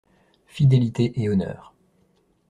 Fidélité et honneur